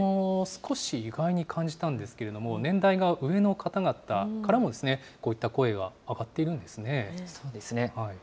少し意外に感じたんですけれども、年代が上の方々からも、こういった声が上がっているんですそうですね。